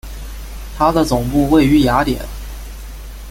它的总部位于雅典。